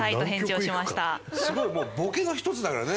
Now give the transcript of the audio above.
すごいもうボケの一つだからね。